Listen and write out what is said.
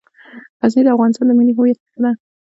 غزني د افغانستان د ملي هویت نښه ده.